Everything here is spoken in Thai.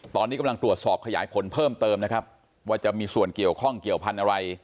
ตอนนี้กำลังตรวจสอบขยายผลเพิ่มเติมนะครับว่าจะมีส่วนเกี่ยวข้องเกี่ยวพันธุ์อะไร